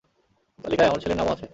তালিকায় আমার ছেলের নামও আছে।